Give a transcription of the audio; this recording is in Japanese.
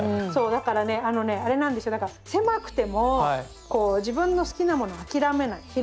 そうだからねあのねあれなんですよだから狭くてもこう自分の好きなものを諦めない。